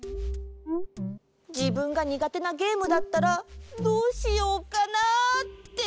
じぶんがにがてなゲームだったらどうしようかなって。